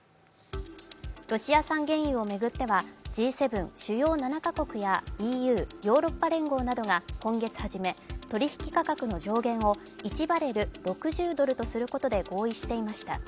ロシア産原油を巡ってはＧ７＝主要７か国やＥＵ＝ヨーロッパ連合などが今月初め取引価格の上限を１バレル＝６０ドルとすることで合意していました。